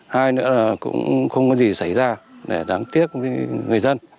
hai nữa là cũng không có gì xảy ra để đáng tiếc với người dân